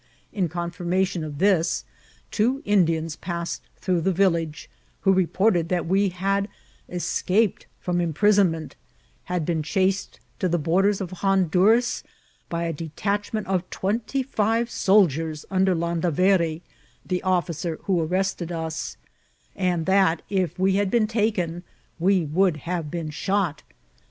In confirmation of this, two Indians passed through the village, who reported that we had escaped from imi^isonment, had been chased to the borders of Honduras by a detachment of twenty five soldiers under Landaveri, the officer who arrested us, and that, if we had been taken, we would have been shot.